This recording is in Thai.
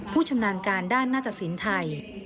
ผู้ชำนาญการด้านหน้าตัดศิลป์ไทย